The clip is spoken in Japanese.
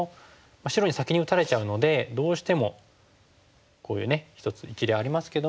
白に先に打たれちゃうのでどうしてもこういうね一つ一例ありますけども。